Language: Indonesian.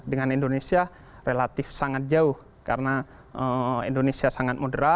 dengan indonesia relatif sangat jauh karena indonesia sangat moderat